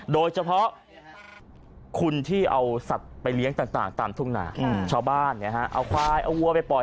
โดยเฉพาะคนที่เอาสัตว์ไปเลี้ยงต่างตามทุ่งนาชาวบ้านเอาควายเอาวัวไปปล่อย